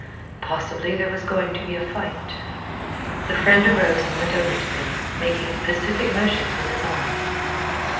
Possibly there was going to be a fight. The friend arose and went over to them, making pacific motions with his arms.